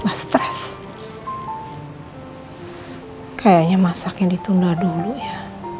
pakee ditunda dulu ya